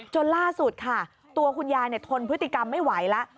จนล่าสุดค่ะตัวคุณยายทนพฤติกรรมไม่ไหวแล้ว